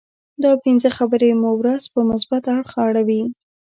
دا پنځه خبرې مو ورځ په مثبت اړخ اړوي.